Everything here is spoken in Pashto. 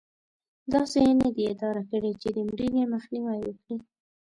داسې یې نه دي اداره کړې چې د مړینې مخنیوی وکړي.